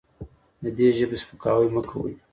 د دې ژبې سپکاوی مه کوئ.